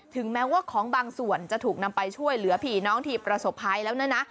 แม้ว่าของบางส่วนจะถูกนำไปช่วยเหลือผีน้องที่ประสบภัยแล้วนะ